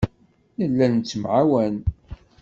Nella nettemɛawan.